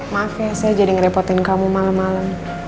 maaf ya saya jadi ngerepotin kamu malam malam